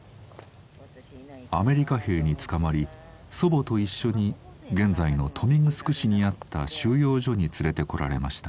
アメリカ兵に捕まり祖母と一緒に現在の豊見城市にあった収容所に連れてこられました。